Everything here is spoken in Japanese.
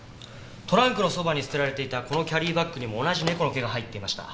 トランクのそばに捨てられていたこのキャリーバッグにも同じ猫の毛が入っていました。